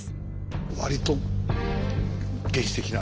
割と原始的な。